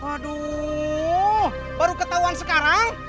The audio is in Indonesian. aduh baru ketauan sekarang